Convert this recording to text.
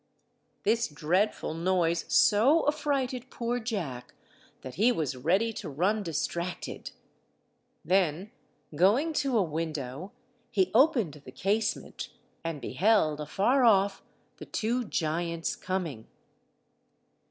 This dreadful noise so affrighted poor Jack, that he was ready to run distracted. Then, going to a window he opened the casement, and beheld afar off the two giants coming.